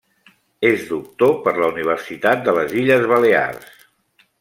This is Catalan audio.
És doctor per la Universitat de les Illes Balears.